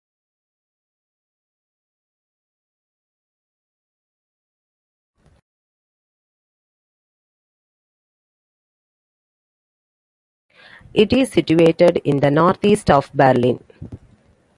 It is situated in the northeast of Berlin.